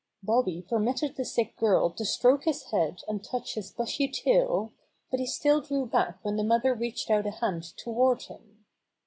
Bobby permitted the sick girl to stroke his head and touch his bushy tail, but he still drew back when the mother reached out a hand toward him.